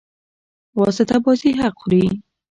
واسطه بازي حق خوري.